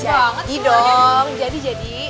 jadi dong jadi jadi